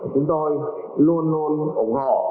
chúng tôi luôn luôn ủng hộ